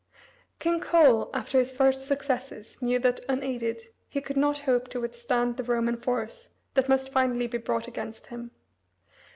King Coel after his first successes knew that, unaided, he could not hope to withstand the Roman force that must finally be brought against him.